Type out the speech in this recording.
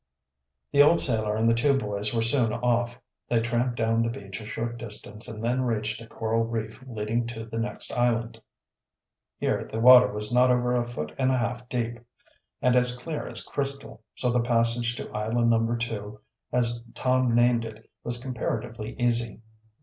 The old sailor and the two boys were soon off. They tramped down the beach a short distance and then reached a coral reef leading to the next island. Here the water was not over a foot and a half deep, and as clear as crystal, so the passage to Island No. 2, as Tom named it, was comparatively easy.